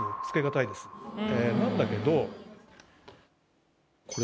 なんだけど。